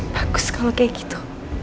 bagus kalau kayak gitu